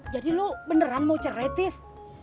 jadi lu beneran mau cerai tis